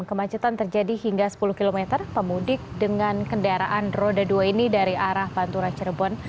kemacetan terjadi hingga sepuluh km pemudik dengan kendaraan roda dua ini dari arah pantura cirebon